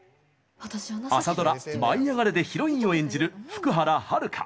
朝ドラ「舞いあがれ！」でヒロインを演じる福原遥。